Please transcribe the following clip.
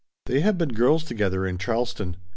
They had been girls together in Charleston.